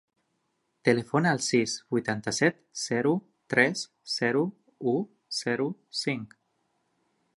Telefona al sis, vuitanta-set, zero, tres, zero, u, zero, cinc.